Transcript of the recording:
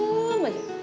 terus mama jawab apa